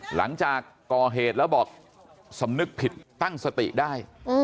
หลังจากก่อเหตุแล้วบอกสำนึกผิดตั้งสติได้